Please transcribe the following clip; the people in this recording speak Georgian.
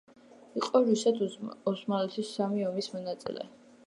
იყო რუსეთ-ოსმალეთის სამი ომის მონაწილე.